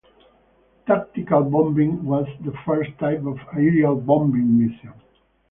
Tactical bombing was the first type of aerial bombing mission.